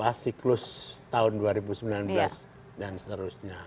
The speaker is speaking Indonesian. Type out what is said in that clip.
ada siklus tahun dua ribu sembilan belas dan seterusnya